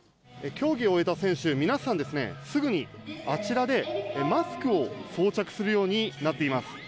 競技を終えた選手、皆さん、すぐにあちらでマスクを装着するようになっています。